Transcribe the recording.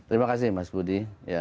terima kasih mas budi